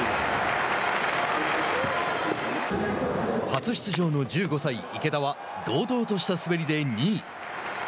初出場の１５歳、池田は堂々とした滑りで２位。